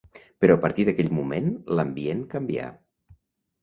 Però a partir d'aquell moment l'ambient canvià